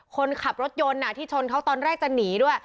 คนขับรถยนต์ที่ชนเขาตอนแรกจะหนีด้วย